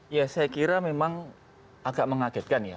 ya saya kira memang agak mengagetkan ya